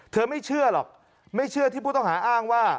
ไม่เชื่อหรอกไม่เชื่อที่ผู้ต้องหาอ้างว่า